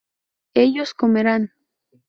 ellos comerán